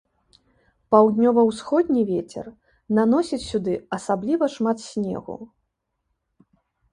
Паўднёва-ўсходні вецер наносіць сюды асабліва шмат снегу.